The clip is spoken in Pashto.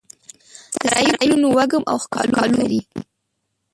د سارایې ګلونو وږم او ښکالو وکرې